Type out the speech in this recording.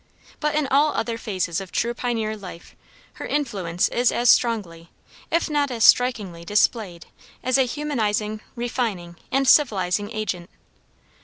But in all other phases of true pioneer life, her influence is as strongly, if not as strikingly displayed as a humanizing, refining, and civilizing agent.